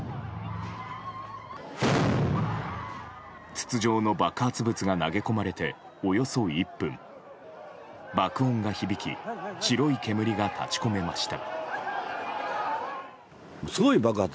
筒状の爆発物が投げ込まれておよそ１分爆音が響き白い煙が立ち込めました。